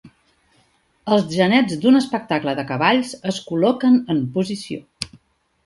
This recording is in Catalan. Els genets d'un espectacle de cavalls es col·loquen en posició.